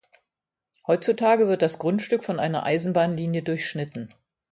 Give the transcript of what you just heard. Heutzutage wird das Grundstück von einer Eisenbahnlinie durchschnitten.